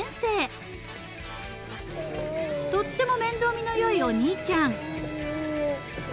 ［とっても面倒見のよいお兄ちゃん］